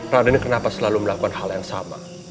raden ini kenapa selalu melakukan hal yang sama